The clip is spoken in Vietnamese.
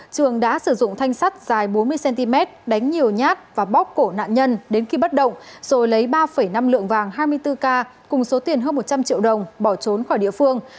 trường đã sử dụng thanh sắt dài bốn mươi cm đánh nhiều nhát và bóc cổ nạn nhân đến khi bắt động rồi lấy ba năm lượng vàng hai mươi bốn k cùng số tiền hơn một trăm linh triệu đồng bỏ trốn khỏi địa phương